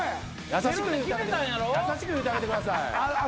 優しく言うてあげてください。